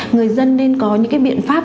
người dân nên có những biện pháp